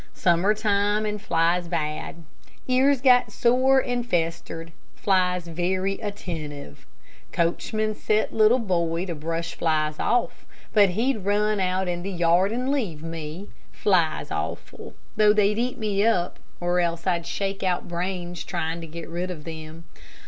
Summer time, and flies bad. Ears got sore and festered, flies very attentive. Coachman set little boy to brush flies off, but he'd run out in yard and leave me. Flies awful. Thought they'd eat me up, or else I'd shake out brains trying to get rid of them.